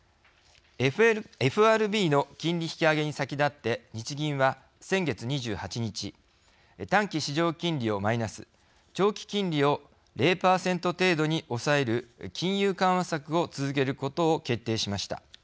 ＦＲＢの金利引き上げに先立って日銀は、先月２８日短期市場金利をマイナス長期金利を０％程度に抑える金融緩和策を続けることを決定しました。